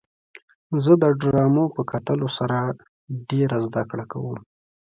زه د ډرامو په کتلو سره ډېره زدهکړه کوم.